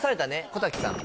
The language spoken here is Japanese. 小瀧さん